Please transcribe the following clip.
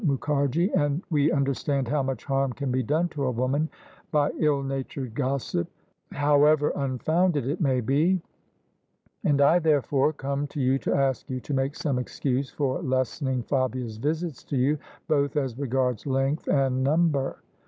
Mukharji, and we understand how much harm can be done to a woman by ill natured gossip, however unfounded it may be: and I therefore come to you to ask you to make some excuse for lessening Fabia's visits to you, both as regards length and number."